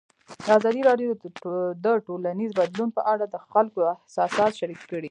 ازادي راډیو د ټولنیز بدلون په اړه د خلکو احساسات شریک کړي.